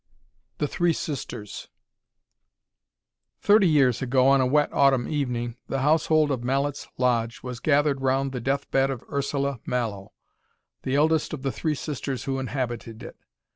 THE THREE SISTERS Thirty years ago on a wet autumn evening the household of Mallett's Lodge was gathered round the death bed of Ursula Mallow, the eldest of the three sisters who inhabited it.